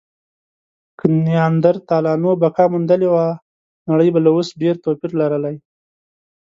که نیاندرتالانو بقا موندلې وی، نړۍ به له اوس ډېر توپیر لرلی.